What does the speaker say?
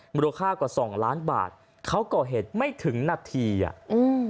มือรูข้ากว่า๒ล้านบาทเขาก่อเห็นไม่ถึงนาทีอ่ะ